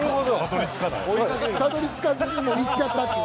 たどり着かずにもう行っちゃったっていう。